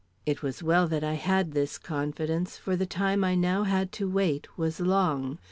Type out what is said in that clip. It was well that I had this confidence, for the time I now had to wait was long.